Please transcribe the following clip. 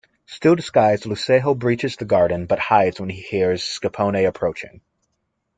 Still disguised, Lucejo breaches the garden, but hides when he hears Scipione approaching.